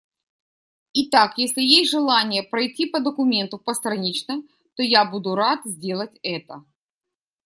Итак, если есть желание пройти по документу постранично, то я буду рад сделать это.